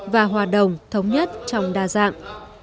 và hòa đồng thống nhất trong đa dạng